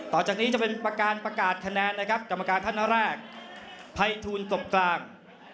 ต่อจากนี้จะเป็นประการประกาศคะแนนนะครับกรรมการท่านแรกภัยทูลตบกลาง